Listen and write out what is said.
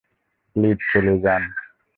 Please চলে যান।